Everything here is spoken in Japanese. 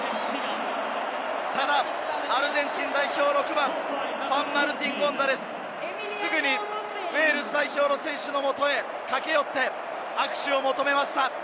ただアルゼンチン代表６番、フアン＝マルティン・ゴンザレス、すぐにウェールズ代表の選手のもとへ駆け寄って握手を求めました。